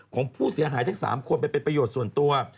ของผู้เสียหายทั้ง๓คนไปเป็นประโยชน์ส่วนตัว